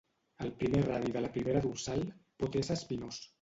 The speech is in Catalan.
El primer radi de la primera dorsal pot ésser espinós.